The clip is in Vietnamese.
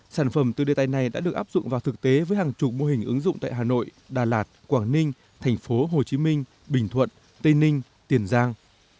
sản phẩm từ đề tài này đã được áp dụng vào thực tế với hàng chục mô hình ứng dụng tại hà nội đà lạt quảng ninh thành phố hồ chí minh bình thuận tây ninh tiền giang